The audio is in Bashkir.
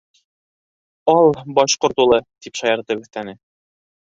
— Ал, башҡорт улы, — тип шаяртып өҫтәне.